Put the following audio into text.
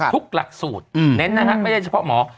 ทุกหลักสูตรเน้นนะฮะไม่ได้เฉพาะหมอ